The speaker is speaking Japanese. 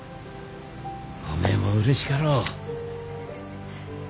おめえもうれしかろう。